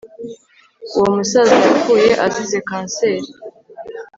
uwo musaza yapfuye azize kanseri